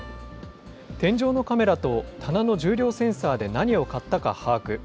天井のカメラと棚の重量センサーで何を買ったか把握。